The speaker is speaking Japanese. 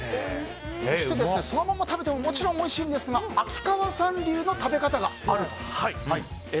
そのまま食べてももちろんおいしいんですが秋川さん流の食べ方があると。